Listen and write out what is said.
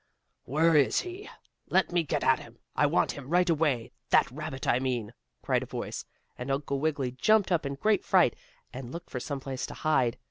"Where is he? Let me get at him! I want him right away that rabbit I mean!" cried a voice, and Uncle Wiggily jumped up in great fright, and looked for some place to hide.